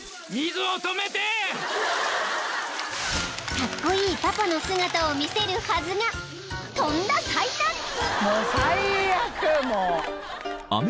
［カッコイイパパの姿を見せるはずがとんだ災難に］